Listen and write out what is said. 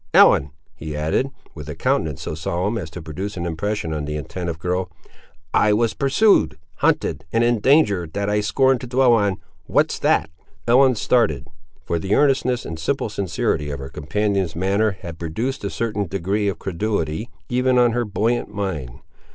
Ellen," he added, with a countenance so solemn as to produce an impression on the attentive girl, "I was pursued, hunted, and in a danger that I scorn to dwell on—what's that?" Ellen started; for the earnestness and simple sincerity of her companion's manner had produced a certain degree of credulity, even on her buoyant mind.